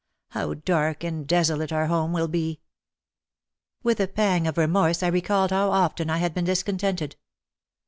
How dark and desolate our home will be! With a pang of remorse I recalled how often I had been discontented.